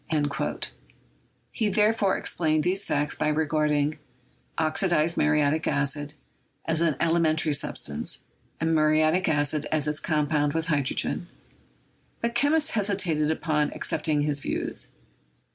He therefore ex plained these facts by regarding "oxidized muriatic acid" as an elementary substance, and muriatic acid as its com pound with hydrogen ; but chemists hesitated about ac cepting his views.